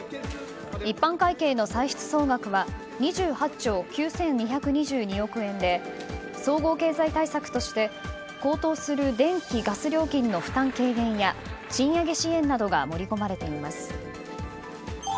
一般会計の歳出総額は２８兆９２２２億円で総合経済対策として高騰する電気・ガス料金の負担軽減や賃上げ支援などが盛り込まれています。